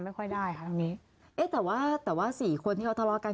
ไม่ค่อยได้ค่ะทางนี้เอ๊ะแต่ว่าแต่ว่าสี่คนที่เขาทะเลาะกัน